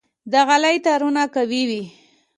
د غالۍ تارونه قوي وي.